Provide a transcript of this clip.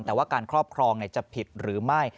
แต่ว่าการครอบครองจะผิดหรือไม่